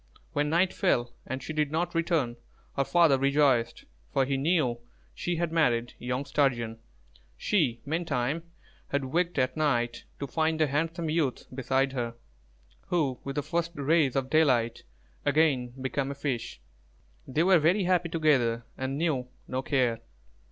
When night fell, and she did not return, her father rejoiced, for he knew she had married young Sturgeon. She, meantime, had waked at night to find a handsome youth beside her, who, with the first rays of daylight, again became a fish. They were very happy together and knew no care.